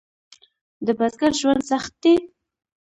د بزګر ژوند سخت دی؟